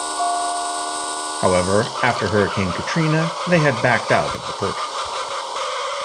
However, after Hurricane Katrina, they had backed out of the purchase.